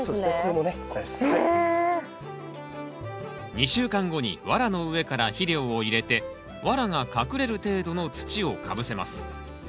２週間後にワラの上から肥料を入れてワラが隠れる程度の土をかぶせます。